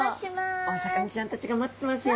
どうもお魚ちゃんたちが待ってますよ。